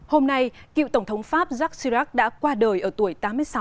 hôm nay cựu tổng thống pháp yac chirac đã qua đời ở tuổi tám mươi sáu